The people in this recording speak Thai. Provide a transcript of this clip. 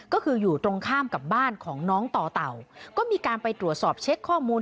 ก็คืออยู่ตรงข้ามกับบ้านของน้องต่อเต่าก็มีการไปตรวจสอบเช็คข้อมูล